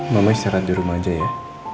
mama isyarat di rumah aja ya